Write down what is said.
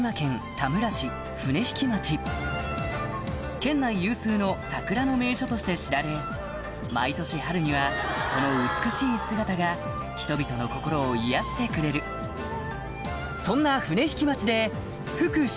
県内有数の桜の名所として知られ毎年春にはその美しい姿が人々の心を癒やしてくれるそんな船引町で福島